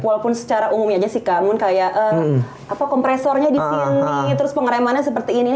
walaupun secara umum aja sih kamu kayak kompresornya di sini terus pengeremannya seperti ini